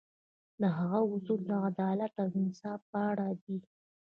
د هغه اصول د عدالت او انصاف په اړه دي.